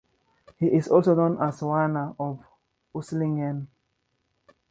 He is also known as Werner of Urslingen.